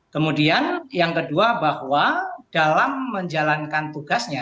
kemudian yang kedua bahwa dalam menjalankan tugasnya